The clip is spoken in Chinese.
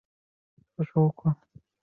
现任陕西省人大常委会副主任。